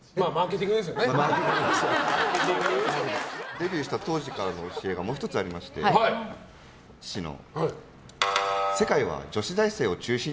デビューした当時からの教えがもう１つありまして、父の。